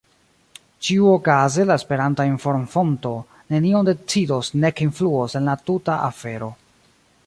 Ĉiuokaze, la Esperanta inform-fonto nenion decidos nek influos en la tuta afero.